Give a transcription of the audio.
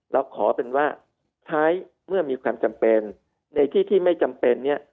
เราขอเป็นว่าใช้เมื่อมีความจำเป็นในที่ที่ไม่จำเป็นเนี่ย